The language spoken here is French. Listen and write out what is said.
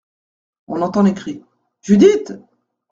On entend les cris : Judith !